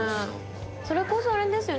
それこそあれですよね